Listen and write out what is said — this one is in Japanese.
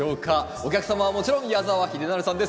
お客様はもちろん矢澤秀成さんです。